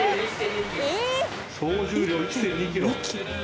総重量１．２ｋｇ。